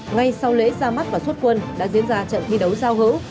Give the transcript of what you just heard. ngay sau lễ ra mắt và xuất quân đã diễn ra trận thi đấu giao hữu